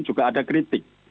juga ada kritik